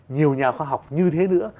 nhiều nhà khoa học như thế nữa